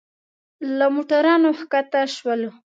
له موټرانو ښکته شولو.